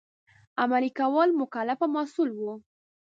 عملي کولو مکلف او مسوول وو.